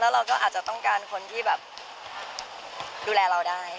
เราก็อาจจะต้องการคนที่แบบดูแลเราได้